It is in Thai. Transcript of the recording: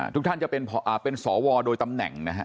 ทุกท่านจะเป็นสวโดยตำแหน่งนะฮะ